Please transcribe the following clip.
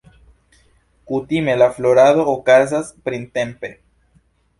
Kutime la florado okazas printempe.